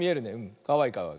かわいいかわいい。